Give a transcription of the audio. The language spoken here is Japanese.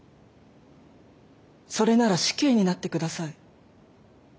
それなら死刑になってください。